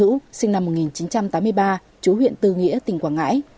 nguyễn vận hữu sinh năm một nghìn chín trăm tám mươi ba chú huyện tư nghĩa tỉnh quảng ngãi